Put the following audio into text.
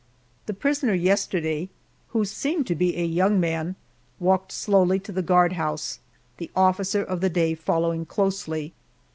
The prisoner yesterday who seemed to be a young man walked slowly to the guardhouse, the officer of the day following closely.